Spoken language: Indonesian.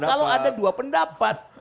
kalau ada dua pendapat